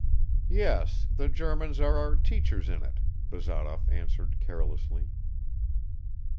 "Yes, the Germans are our teachers in it," Bazarov answered carelessly.